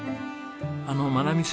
あの真奈美さん。